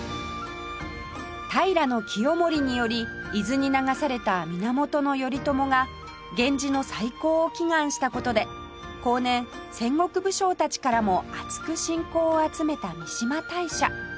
平清盛により伊豆に流された源頼朝が源氏の再興を祈願した事で後年戦国武将たちからもあつく信仰を集めた三嶋大社